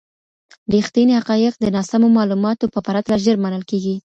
ریښتیني حقایق د ناسمو معلوماتو په پرتله ژر منل کیږي.